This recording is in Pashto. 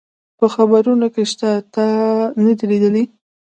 په خبرونو کي شته، تا نه دي لیدلي؟